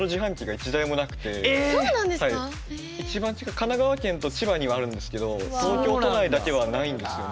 神奈川県と千葉にはあるんですけど東京都内だけはないんですよね